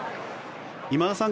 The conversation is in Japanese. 今田さん